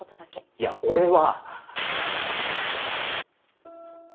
いや俺は。